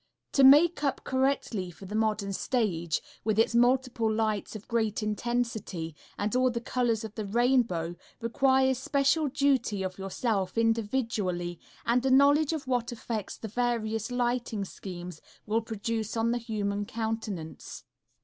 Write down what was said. To makeup correctly for the modern stage, with its multiple lights of great intensity and all the colors of the rainbow, requires special study of yourself individually and a knowledge of what effects the various lighting schemes will produce on the human countenance.